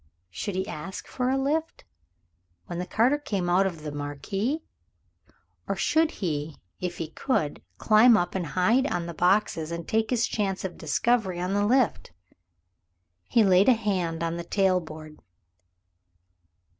Should he ask for a lift, when the carter came out of the "Marquis"? Or should he, if he could, climb up and hide on the boxes and take his chance of discovery on the lift? He laid a hand on the tail board.